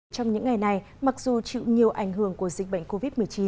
trong những ngày này mặc dù chịu nhiều ảnh hưởng của dịch bệnh covid một mươi chín